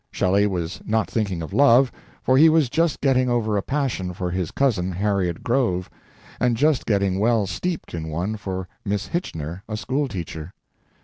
Shelley was not thinking of love, for he was just getting over a passion for his cousin, Harriet Grove, and just getting well steeped in one for Miss Hitchener, a school teacher.